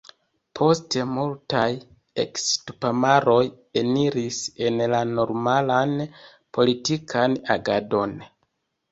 Poste multaj eks-tupamaroj eniris en la normalan politikan agadon.